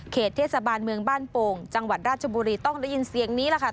เทศบาลเมืองบ้านโป่งจังหวัดราชบุรีต้องได้ยินเสียงนี้แหละค่ะ